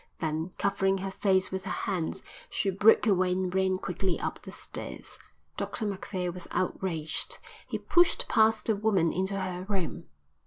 Then, covering her face with her hands, she broke away and ran quickly up the stairs. Dr Macphail was outraged. He pushed past the woman into her room.